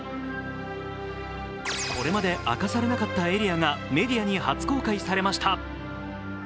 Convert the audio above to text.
これまで明かされなかったエリアがメディアに初公開されました。